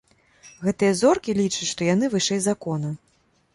Гэтыя зоркі лічаць, што яны вышэй закона.